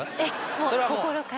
もう心から。